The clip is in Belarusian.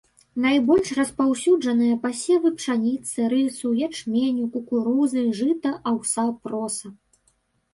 Найбольш распаўсюджаныя пасевы пшаніцы, рысу, ячменю, кукурузы, жыта, аўса, проса.